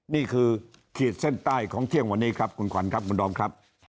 ขีดเส้นใต้ของเที่ยงวันนี้ครับคุณขวัญครับคุณดอมครับ